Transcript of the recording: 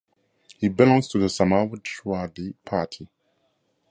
He belongs to the Samajwadi Party.